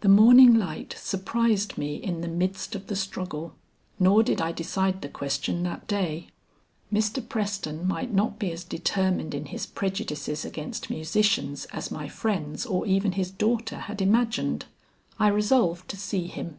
The morning light surprised me in the midst of the struggle, nor did I decide the question that day. Mr. Preston might not be as determined in his prejudices against musicians as my friends or even his daughter had imagined. I resolved to see him.